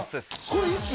これいつ？